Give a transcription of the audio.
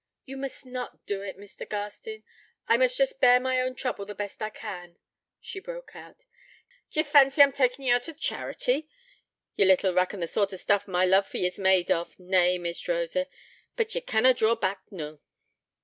'Ye must not do it, Mr. Garstin ... I must just bear my own trouble the best I can ' she broke out. 'D'ye fancy I'm takin' ye oot of charity? Ye little reckon the sort o' stuff my love for ye's made of. Nay, Miss Rosa, but ye canna draw back noo.'